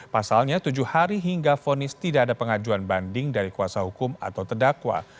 pasalnya tujuh hari hingga fonis tidak ada pengajuan banding dari kuasa hukum atau terdakwa